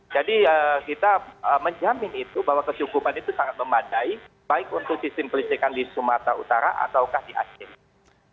jadi kita menjamin itu bahwa kesukupan itu sangat memadai baik untuk disimplistikan di sumatera utara atau di aceh